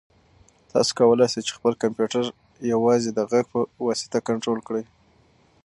تاسو کولای شئ چې خپل کمپیوټر یوازې د غږ په واسطه کنټرول کړئ.